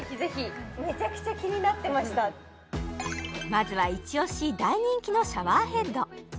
まずはイチ押し大人気のシャワーヘッド